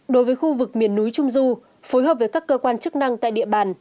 đối với khu vực miền núi trung du phối hợp với các cơ quan chức năng tại địa bàn